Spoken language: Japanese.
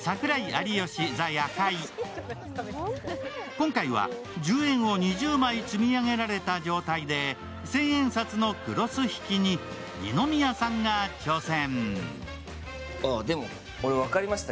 今回は１０円を２０枚積み上げられた状態で千円札のクロス引きに二宮さんが挑戦。